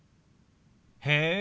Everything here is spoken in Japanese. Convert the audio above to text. へえ